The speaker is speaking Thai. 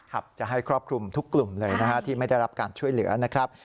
จะให้ครอบคลุมทุกกลุ่มเลยนะฮะที่ไม่ได้รับการช่วยเหลือนะครับ